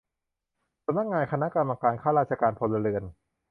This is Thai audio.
สำนักงานคณะกรรมการข้าราชการพลเรือน